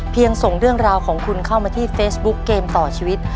ส่งเรื่องราวของคุณเข้ามาที่เฟซบุ๊กเกมต่อชีวิต